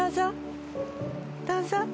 どうぞ。